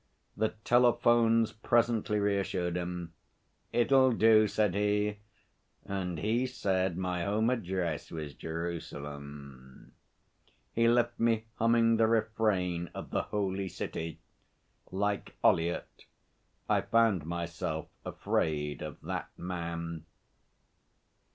The telephones presently reassured him. 'It'll do,' said he. 'And he said my home address was Jerusalem.' He left me humming the refrain of 'The Holy City.' Like Ollyett I found myself afraid of that man.